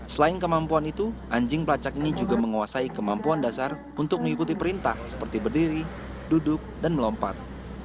selain kemampuan itu anjing pelacak ini juga menguasai kemampuan dasar untuk mengikuti perintah seperti berdiri duduk dan melompat